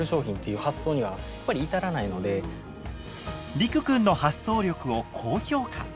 りくくんの発想力を高評価。